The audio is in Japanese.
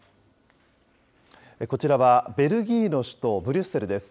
こちらはベルギーの首都ブリュッセルです。